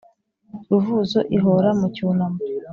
ruvuzo ihora mu cyunamo.